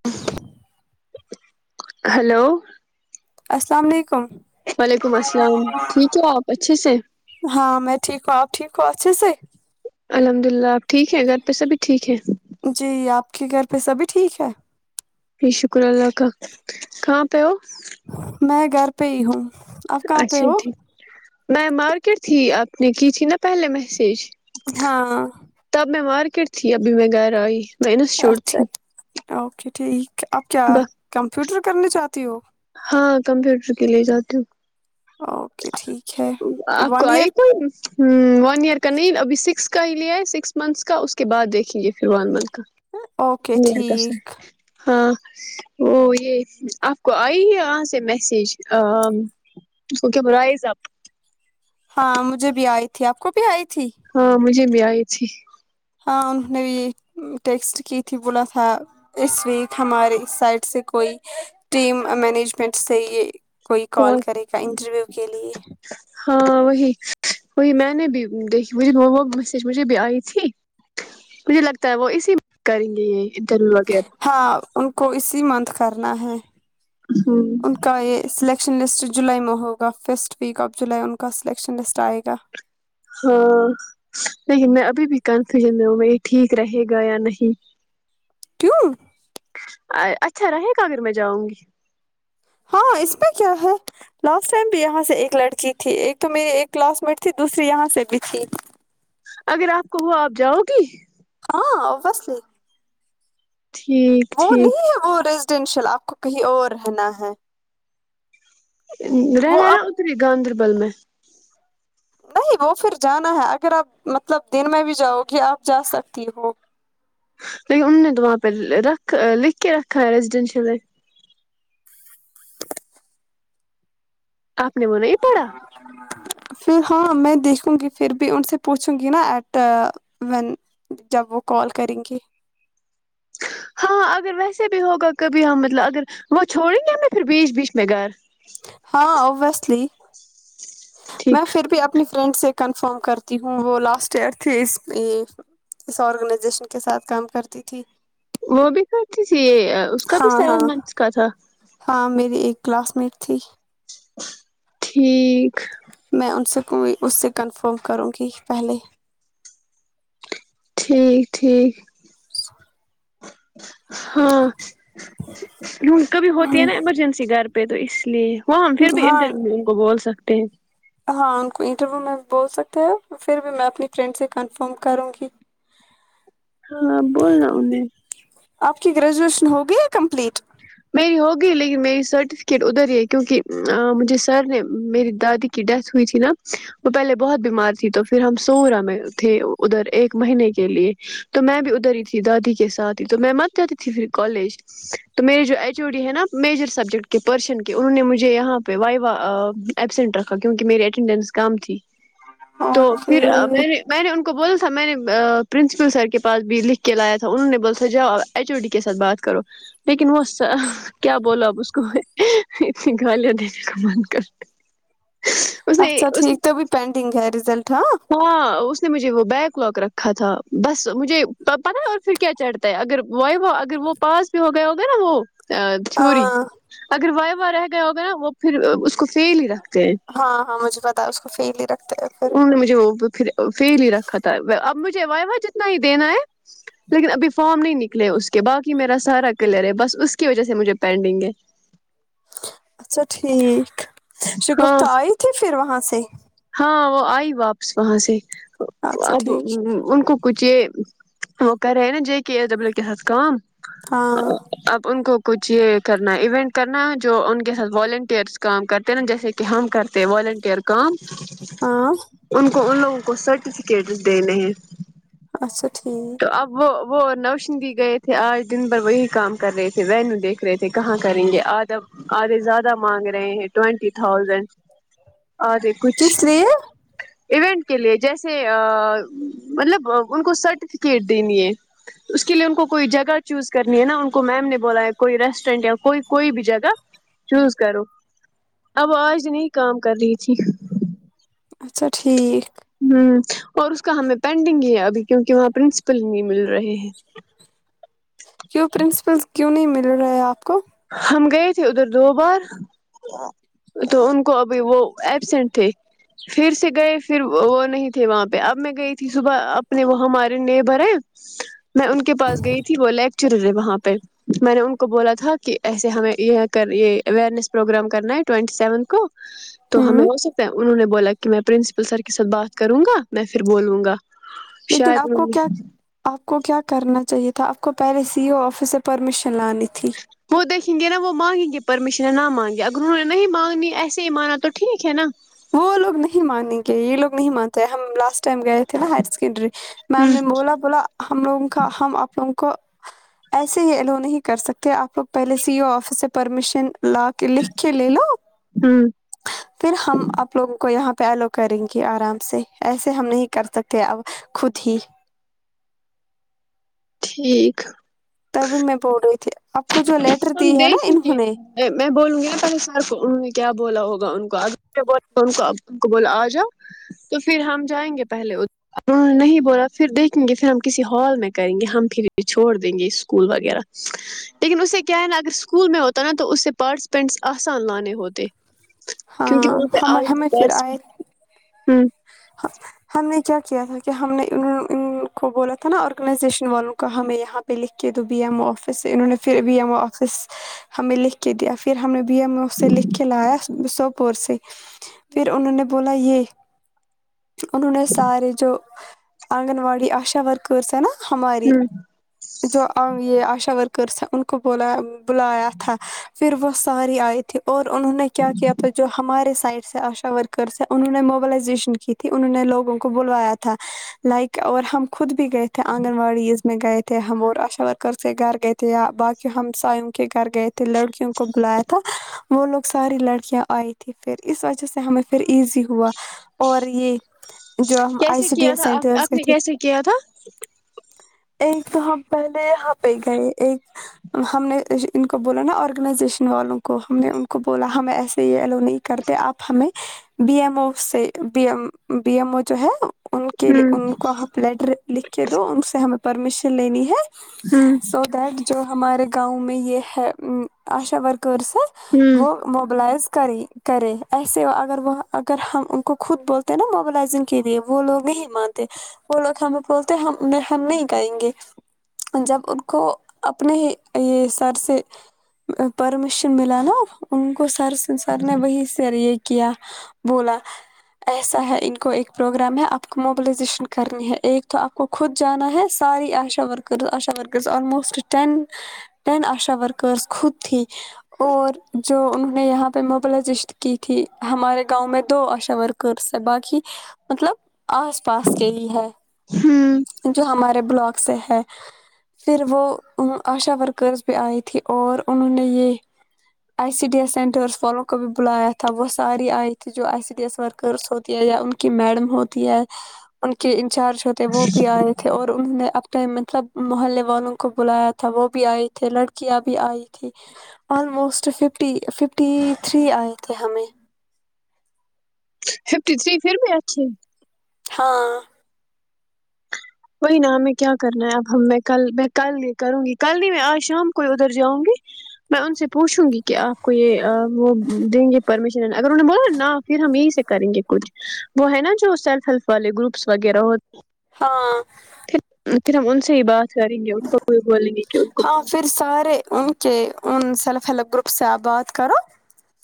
ہ ہلو السلام علیکم وعلیکم السلام ٹھیک ہے آپ اچھے سے کھ سےے الحمد للہ آپ ٹھیک ہیں گھر پہ سبھی ٹھیک ہے کی کرھر پہ سبھی ٹھیک ہے جی شکر اللہ کا کہاں پ ہو میں گھر پہئی ہوں اپ کہاں پہ اچھا ہو ٹھیک میں مارکیٹ تھی اپ نے کی تھی نا پہلے میسج ہاں ٹکٹ تھی ابھی میں گھر آئی میں انسٹیٹیوٹ اچھا تھی اچا اوکے ٹھیک آپ کیا ب- کمپیوٹر کرنی چاہتی ہو ہاں کمپیوٹر کے لیے جاتی ہ اوکے ٹھیک ہے آپ کو ون آئی ایئر کوئی ہ ون ایئر کا نہیں ابھی سکس کا ہی لیا ہے سکس منتھس کا اس کے بعد دیکھی لییے پھر ون منتھ اوکے کا س ٹھیک ہاں او یہ آپ کو آئی ہے آاں سے میسیج کو کیا رائز آب ہاں مجھے بھی آئی تھی آپ کو بھی آئی تھی ہاں مجھے ب آئی تھی ہاں انہوں نے بھی ٹیکسٹ کی تھی بولا تھا اس ویک ہمارے سائٹ سے کوئی ٹیم مینجمنٹ سے یہ کوئی کال اور کرے گا انٹرویو کے لیے ہاں وہی وہی میں نے بھی دیکھی مج وہ میسیج مجھے بھی آئی تھی مجھے لگتا ہے وہ اسی کریں گے یہ انٹرویو وغیرہ ہاں ان کو اسی منند کرنا ہے ہ ان کا یہ سلیک یکشن لسٹ جولائی میں ہوگا فسٹ ویک آف جولائی ان کا سلیکشن لسٹ آئے گا ہاں لیکن میں ابھی بھی کنفیوژن میں ہوں میں یہ ٹھیک رہے گا یا نہیں کیوں اچھا رہے گاگر میں جاؤں گی ہاں اس میں کیا ہے لاسٹ ٹائم بھی یہاں سے ایک لڑکی تھی ایک تو میری ایک کلاس میٹ تھی دوسری یہاں سے بھی تھی اگر آپ کو ہو آپ جاؤ گی ہاں اوسلی ٹھیک وہ نہیں ٹھیک ہے وہ ر پوٹینشیل آپ کو کہیں اور رہنا ہے وہ رہنا ہے اب نا اتری گاندربل بل میں نہیں وہ پھر جانا ہے اگر آپ مطلب دن میں بھی جاؤ گے آپ جا سکتی ہو لیکن ان نے تو وہاں پہ رکھ لکھ کے رکھا ہے ریزیڈینشیل ہے آپ نے وہ نہیں پڑھا پھر ہاں میں دیکھوں گی پھر بھی ان سے پوچھوں گی نا ایٹ وین جب وہ کال کریں گی ہاں اگر ویسے بھی ہوگا کبھی ہم مطلب اگر وہ چھوڑیں گے ہم پھر بیچ بیچ میں گھر ہاں ابوسلی میں ٹھیک پھر بھی اپنی فرینڈ سے کر فارم کرتی ہوں وہ لاسٹ ایئر تھے اس اس آرگنائزیشن کے ساتھ کام کرتی تھی وہ بھی خرچ یہ اس کا بھی ہاں ہاں سیون منتھس کا تھا ہاں میری ایک کلاس ممیٹ تھی ٹھیک میں ان سے کوئی اس سے کنفرم کروں گی پہلے ٹھیک ٹھیک ہاں ل ک بھی ہوتی ہے نا ایمرجنسی گھر [inaudible] وہاں ہم پھر بھی ہاں انٹرو ان کو بول سک پ ہاں ان کو انٹرویو میں بول سکتے ہیں پھر بھی میں اپنی فرینڈ سے کنفرم کروں گی ہاں بول رہا انیں آپ کی گریجویشن ہوگی کمپلیٹ میری ہوگی لیکن میری سرٹیفکیٹ ادھر ہی ہے کیوںکہ مجھے سر نے میری دادی کی ڈیتھ ہوئی تھی نا وہ پہلے بہت بیمار تھی تو پھر ہم سرا میں تھے ادھر ایک مہینے کے لیے تو میں بھی ادھر ہی تھی دادی کے ساتھ ہی تو میں مت جاتی تھی پھر کالج تو میرے جو ایچ او ڈی ہے نا میجر سبجیکٹ کے پرشن کے انہوں نے مجھے یہاں پہ وائی و ایبسینٹ رکھا کیونکہ میری اٹینڈنس کم تھی تو اوکے پھر میں نے میں نے ان کو بولا تھا میں نے پرنسپل سر کے پاس بھی لکھ کے لایا تھا انہوں نے بولا جاؤ ایچ او ڈی کے ساتھ بات کرو لیکن وہ کیا بوولو اب اس کو اتنی گالیاں دینے کا من کر اس نے اچھا اس ٹھیک تو بھی پینڈنگ ہے رزلٹ ہاں اس نے مجھے وہ بیک لگ رکھا تھا بس مجھے پت ہے اور پھر کیا چڑھتا ہے اگر وائف وہ اگر وہ پاس بھی ہو گیا ہوگا ا رہ ہو ا چوی ہاں اگر و رہ گیا ہوگا نا وہ پھر اس کو فیل ہی رکھتے ہیں ہاں ہاں مجھے پتا اس کو فیل ہی رکھ انہوں نے مجھے وہھر فیل ہی رکھا تھا اب مجھے وح واہ جتنا ہی دینا ہے لیکن ابھی فارم نہیں نکلے اس کے باقی میرا سارا کلیئر ہے بس اس کی وجہ سے مجھے پینڈنگ ہے اچھا ٹھیک شگفت ہاں آئی تھی پھر وہاں سے ہاں وہ آئی واپس وہاں سے اچھا اب ٹھیک ان کو کوچے وہ کرے نا جے کےے ایس ڈبلیو کھم ہاں اب ان کو کچھ یہ کرنا ہے ایونٹ کرنا ہے جو ان کے ساتھ والنٹیرس کام کر والنٹیئر کام ہاں ان کو ان لوگوں کو سرٹیفکیٹ دینے ہیں اچھاچھ تو اب وہ وہ نوشگی گئے تھے آج دن بھر وہی کام کر رہے تھے وینو دیکھ رہے تھے کہاں کریں گے آدھا آدھے زیادہ مانگ رہے ہیں ٹوینٹی تھاؤزینڈ اورے کچھ کس لیے ایونٹ کے لیے جیسے مطلب ان کو سرٹیف ٹکٹ دینی ہے اس کے لیے ان کو کوئی جگہ چوز کرنی ہے نا ان کو میم نے بولا ہے کوئی ریسٹورینٹ یا کوئی کوئی بھی جگہ چوز کرو اب آج نہیں کام کر رہی تھی اچھا ٹھیک ہوں اور اس کا ہمیں پینڈنگ ہے ابھی کیونکہ وہاں پرنسپل نہیں مل رہے ہیں کیوں پرنسپل کیوں نہیں مل رہا ہے آپ کو ہم گئے تھے ادھر دو بار تو ان کو ابھی وہ ایبسینٹ تھے پھر سے گئے پھر وہ نہیں تھے وہاں پہ اب میں گئی تھی صبح اپنے وہ ہمارے نیبر ہیں میں ان کے پاس گئی تھی بولے چرے وہاں پہ میں نے ان کو بولا تھا کہ ایسے ہمیں یہ کر یہ اوئیرنیس پروگرام کرنا ہے ٹوینٹی سیونتھ کو تو ہمیں ہوں اسے انہوں نے بولا کہ میں پرنس بسر کے ساتھ بات کروں گا میں پھر بولوں گا لیکن شاید آپ کو کیا آپ کو کیا کرنا چاہیے تھا آپ کو پہے سی او آفس سے پرمیشن لانی تھی وہ دیکھیں گے نا وہ مانگیں گے پرمیشن ہے نہ مانگے اب گو نہیں مانگنی ایسے ہی مانا تو ٹھیک ہے نا وہ لوگ نہیں مانیں گے یہ لوگ نہیں مانتے ہم لاسٹ ٹائم گئے تھے نا ہائر سیکنڈری ہ میم نے بولا بولا ہم لوگوں کا ہم آپ لگ کو کو ایسے ہی ایلو نہیں کر سکتے آپ لوگ پہلے سیو آفس سے پرمیشن لا کے لکھ کے لے لو ہ پھر ہم وگ کو یہاں پہ ایلو کریں گے آرام سے ایسے ہم نہیں کر سکتے ا خود ہی ٹھیک تب میں پڑ رہی تھی آپ کو جو لیٹر ہم دی ہم ہے نا دیکھیں انہوں گے نے میں بولوں گی پ کیا بولا ہوگا ان کو ا کو ب آ جا تو پھر ہم جائیں گے پہلے ا انہوں نے نہیں بولا پھر دیکھیں گے پھر ہم کسی ہال میں کریں گے ہم پھر چھوڑ دیں گے اسکول وغیرہ لیکن اسے کیا ہے نا اگر اسکول میں ہوتا ت تو اس سے پارٹیسپینٹس آسان لانے ہوتے ہاں کیونکہ وہاں پہ ہم آگے ہمیں پھر پارٹس آئے ہوں ہم نے کیا کیا تھا کہ ہم نے انہوں ان کو بولا تھا نا آرگنائزیشن والوں کا ہمیں یہاں پہ لکھ کے دو بی ایم او آفس انہوں نے پھر بی ایم او آفس ہمیں لکھ کے دیا پھر ہم نے بی ایم او سے لکھ کے لایا سوپور سے پھر انہوں نے بولا یہ [inaudible] انہوں نے سارے جو آنگن واڑی آشا ورکرس ہیں نا ہماری ہوں جو یہ آشا ورک گس ان کو بولا بلایا تھا پھر وہ ساراری آئی تھے اور انہوں نے کیا کیا تھا جو ہمارے سائٹ سے آشا ورکرس ہیں انہوں نے موبلائزیشن کی تھی انہوں نے لوگوں کو بلوایا تھا لائک اور ہم خ خودط بھی گی تھ آنگن واڑی میں گئے تھے ہم آشا ورکر کے گھر گئے تھے یا باقی ہمساوں کے گھر گئے تھے لڑکیوں کو بلایا تھا وہ لوگ ساری لڑکیاں آئی تھی پھر اس وجہ سے ہمیں پھر ایزی ہوا اور رہیے کیسے کیا تھا آپ نے کیسے کیا تھا ایک تو ہم پہلے یہاں پہ گئے ایک ہم نے ان کو بولا نا آرگنائزیشن والوں کو ہم نے ان کو بولا ہمیں ایسے ہیوگ نہیں کرتے آپ ہمیں [unintelligible] بی ایم بی ایم وہ جو ہے ان کے لیے ہوں ان کو آپ لیٹر لکھ کے دو ان سے ہم پرمیشن لینی ہے ہاں دیٹ جو ہمارے گاؤں میں یہ ہے آشا ورک کرر س ہوں وہ موبلائز کری کرے ایسے اگر وہ اگر ہم ان کو خود بولتے نا موبلزنگ کے لیے وہ لوگ نہیں مانتے وہ لوگ ہمیں بولتے ہم ہم نہیں کرائیں گے جب ان کو اپنے یہ سر سے پرمیشن ملا نا ان کو سرن سر نے وہی سے کیا بولا ایسا ہے ان کو ایک پروگرام ہے آپ کو موبلائزیشن کرنی ہے ایک تو آپ کو خود جانا ہے ساری ASHA workers ASHA worker almost ٹ ٹین آشا ورکرس خود تھی [unintelligible] جو انہوں یہاں پہ مبلزشت کی تھی ہمارے گاؤں میں دو آشا ورک کر سے باقی مطلب آس پاس کے ہی ہے ہوں جو ہمارے بلاک سے ہے پھر وہ آشا ورکرس بھی آئی تھی اور انہوں نے یہ I C D S centres والوں کو بھی بلایا تھا وہ ساری آئی تھی جو I C D S worker س ہوتی ہے یا ان کی میڈم ہوتی ہے ان کے انچارج ہوتےے وہ بھی آئے تھے اور انہوں نے ٹم مطلب محلے والوں کو بلایا تھا وہ بھی آئے تھے لڑکیاں بھی آئی تھھی آلموسٹ ففٹی ففٹی تھری آئے تھے ہمیں ففٹی تھری فھرو اے ہاں کوئی ن ہمیں کیا کرنا ہے اب ہم کل میں کل یہ کروں گی کل نہیں میں آج شام کو ادھر جاؤں گی میں ان سے پوچھوں گی کہ آپ کو یہ وہ دیں گے پرمیشن اگر انہ نے بولا نہ پھر ہم یہیں سے کریں گے کچھ وہ ہے نا جو سیلف ہیلپ والے گروپس وغیرہ ہوتے ہاں پھر ہم ان سے بات کریں گے ان کو کو بولیں گے کہ ان کو ہاں پھر سارے ان کے ان سیلف ہیلپ گروپ سے آپ بات کرو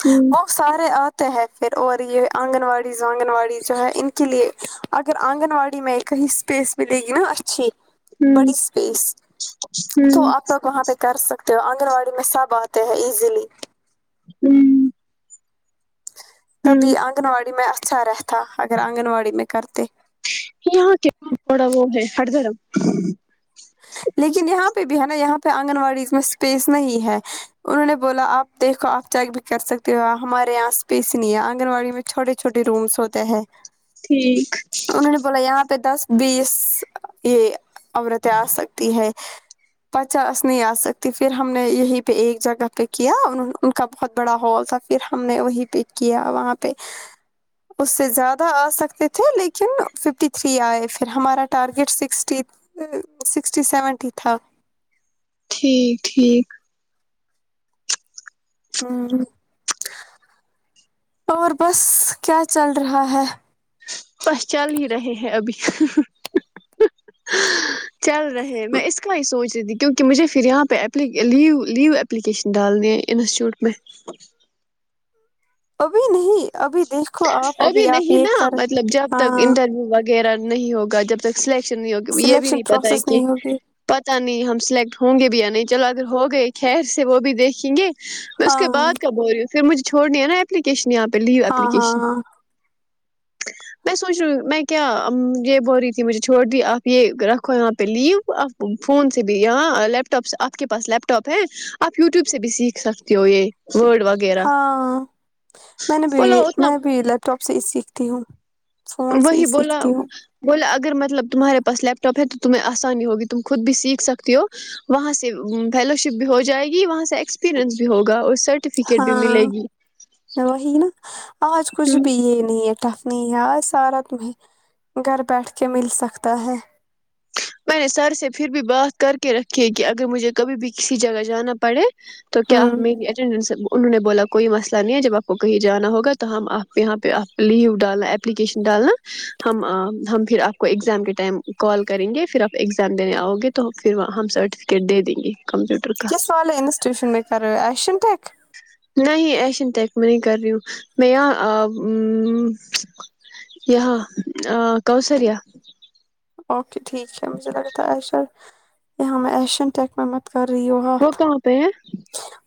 ہوں وہ سارے ہے پھر اور یہ آنگن واڑی آنگن واڑی جو ہے ان کے لیے اگر آنگن واڑی میں کہیں اسپیس ملے گی نا اچھی ہوں بڑی اسپیس تو ہوں آپ لوگ وہاں پہ کر سک آنگن واڑی میں سب آتے ہیں ایزیلی ا [unintelligible] تبھی آنگن واڑی میں سرخ [unintelligible] تھا اگر آنگن واڑی میں کرتے یہاں کے تھوڑا وہ ہے ہٹ درم لیکن یہاں پہ بھی ہے نا یہاں پہ آنگن واڑی میں اسپیس نہیں ہے انہوں نے بولا آپ دیکھو آپ جیک بھی کر سکتے ہو ہمارے یہاں اسپیس نہیں ہے آنگن واڑی میں چھوٹے چھوٹے رومس ہوتے ہیں ٹھیک انہوں نے بولا یہاں پہ دس بی ایس ا اور آ سکتی ہے پچاس نہیں آ سکتی پھر ہم نے یہیں پہ ایک جگہ پہ کیا ان کا بہت بڑا ہال تھا پھر ہم نے وہیں پہ کیا وہاں پہ اس سے زیادہ آ سکتے تھے لیکن ففٹی تھری آئے پھر ہمارا ٹارگیٹ سکسٹی سکسٹی سیونٹی ہی تھا ٹھیک ٹھیک ہ اور بس کیا چل رہا ہے بس چل ہی رہے ہیں ابھی چل رہے میں اس کا ہی سوچ کیونکہ مجھے پھر یہاں پہ لیو لیو اپلیکیشن ڈالنی ہے انسٹیٹیوٹ میں ابھی نہیں ابھی دیکھو آپ ابھی آپ نہیں یہ نا کر مطلب جب تک ہاں انٹرویو وغیرہ نہیں ہوگا جب تک سلیکٹ ہوگ یہ بھی سلیکشن نہیں پتا ہے پروسیس کہ نہیں ہوگی پت نہیں ہم سلیکٹ ہوں گے بھییا نہیں چلو اگر ہو گئے خیر سے وہ بھی دیکھیں گے پھر اس ہاں کے بعد کبول رہی ہو پھر مجھےھوڑ ہے نا اپپلیکشن یہاںہ لو ہاں ایپلیکیشن ہاں میں سوچ رہی میں کیا یہ بول رہی تھی مجھے چھوڑ دی آپ یہ رکھو یہاں پہ لیو آپ فون سے بھی یہاں لیپ ٹاپ آپ کے پاس لیپ ٹاپ ہے آپ یوٹیوب سے بھی سیکھ سکتے ہو یہ وڈ وغیرہ ہاں میں نے بولا بھی اتنا میں بھی ل اسٹاپ سے سیکھتی ہوں فون سے ہی وہی بولا سیکھتی ہوں بولا اگر مطلب تمہارے پاس لیپ ٹاپ ہے تو تمہیں آسانی ہوگی تم خود بھی سیکھ سکتی ہو وہاں سے فیلو شپ بھی ہو جائے گی وہاں سے ایکسپیرئنس بھی ہوگا اور سرٹیفکیٹ بھی ہاں ملے گی وہی نا آج کچھ بھی یہ نہیں ایٹا نی ار سارا تمہیں گھر بیٹھ کے مل سکتا ہے میں نے سر سے پھر بھی بات کر کے رکھی ہے کہ اگر مجھے کبھی بھی کسی جگہ جانا پڑے تو کیا ہوں میری اٹینڈنس انہوں نے بولا کوئی مسئلہ نہیں ہے جب آپ کو کہیں جانا ہوگا تو ہم آپ کے یہاں پہ آپ لیو ڈالنا اپلیکیشن ڈالنا ہم ہم پھر آپ کو ایگزام کے ٹائم کال کریں گے پھر آپ ایگزام دینے آؤ گے تو پھر وہاں ہم سرٹیفکیٹ دے دیں گے کمپیوٹر کا کی س والالے انسٹیوشن میں کر ایشن یک نہیں ایشن تیک میں نہیں کر رہی ہوں میں یہاں یہاں کوسریا اوکے ٹھیک ہے مجھے لگتا ایش یہاں میں ایشین ٹیک میں کر رہی ہو وہ ہاتھ کہاں پہ ہے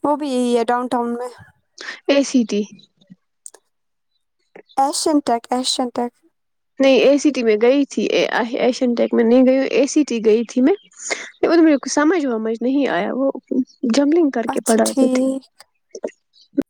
وہ بھی یہی ہے ڈاؤن ٹاؤن میں ا سیٹی ایسن تک نہیں اے سی ٹی میں گئی تھی ایشین ٹیک میں نہیں گئی اے سی ٹی گئی تھی میں میرے سمجھ ومجھ نہیں آیا وہ جملنگ کر کے اچھا پڑا دی تھے ٹھیک ج [unintelligible]